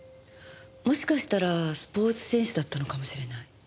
もしかしたらスポーツ選手だったのかもしれない。